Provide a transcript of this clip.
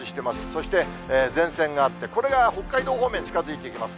そして、前線があって、これが北海道方面に近づいていきます。